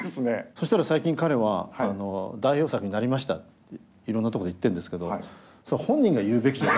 そしたら最近彼は代表作になりましたっていろんなとこで言ってんですけど本人が言うべきじゃない。